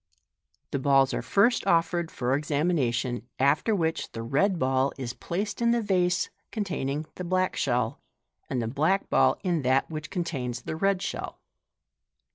The balls are first offered for exa mination, after which the red ball is placed in the vase containing the black shell, and the black ball in that which contains the red shell.